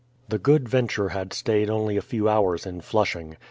The Good Venture had stayed only a few hours in Flushing.